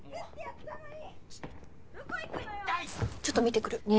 ちょっと見てくる。